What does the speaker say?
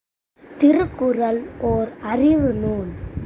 திருக்குறள் ஓர் அறிவு நூல்.